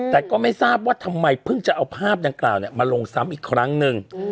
แต่ก็ไม่ทราบว่าทำไมเพิ่งจะเอาภาพดังกล่าวมาลงซ้ำอีกครั้งหนึ่ง